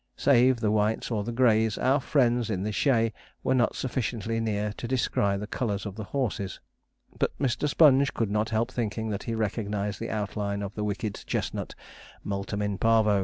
Save the whites or the greys, our friends in the 'chay' were not sufficiently near to descry the colours of the horses; but Mr. Sponge could not help thinking that he recognized the outline of the wicked chestnut, Multum in Parvo.